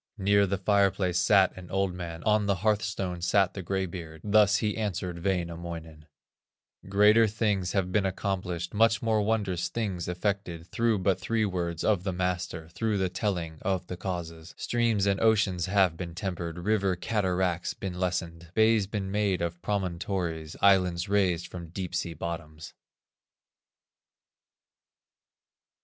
Near the fireplace sat an old man, On the hearthstone sat the gray beard, Thus he answered Wainamoinen: "Greater things have been accomplished, Much more wondrous things effected, Through but three words of the master; Through the telling of the causes, Streams and oceans have been tempered, River cataracts been lessened, Bays been made of promontories, Islands raised from deep sea bottoms."